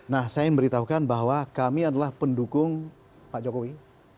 nah saya ingin memberitahukan bahwa kami adalah pendukung pak jokowi